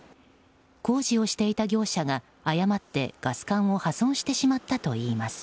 工事をしていた業者が誤ってガス管を破損させてしまったといいます。